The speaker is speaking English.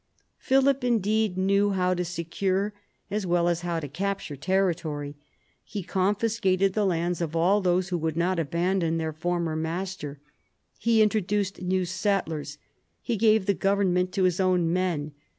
Philip indeed knew how to secure as well as how to capture territory. He confiscated the lands of all those who would not abandon their former master. He introjjjjteed new settlers : he gave the government to his own men.